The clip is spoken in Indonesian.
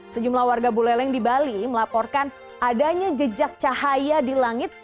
sejumlah warga buleleng di bali melaporkan adanya jejak cahaya di langit